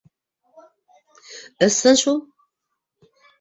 — Ысын шул.